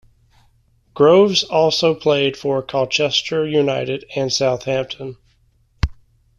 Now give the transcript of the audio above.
Groves also played for Colchester United and Southampton.